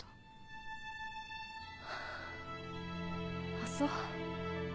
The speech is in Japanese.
あっそう。